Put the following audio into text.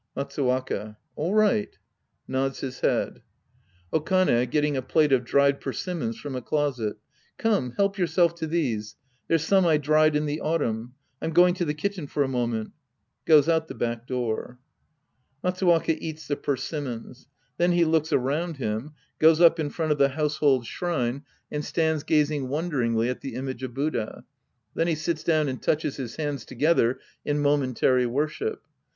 Matsuwaka. All right, {Nods his head.) Okane {getting a plate of dried persimmons from a closet). Come, help yourself to these. They're some I dried in the autumn. I'm going to the kitchen for a moment. {Goes out the back door.) (Matsuwaka eats the persimmons. Then he looks around him, goes up in front of the household shrine. Sc I The Priest and His Disciples 15 and stands gazing wonderingly at the image of Buddha. Then he sits down and touches his hands together in momentary worship.